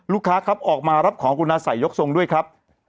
ครับออกมารับของคุณอาศัยยกทรงด้วยครับ